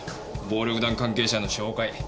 暴力団関係者の照会。